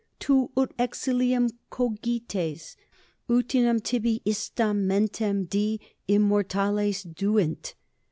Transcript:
tu ut exilium cogites? Utinam tibi istam mentem di immortales duint!